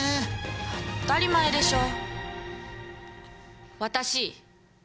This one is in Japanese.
当たり前でしょ。